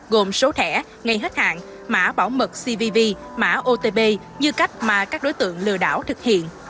gồm số thẻ ngày hết hạn mã bảo mật cvv mã otb như cách mà các đối tượng lừa đảo thực hiện